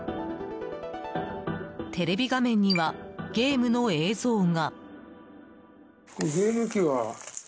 テレビ画面にはゲームの映像が。